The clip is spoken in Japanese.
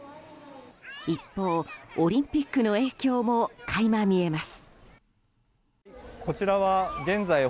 一方、オリンピックの影響も垣間見えます。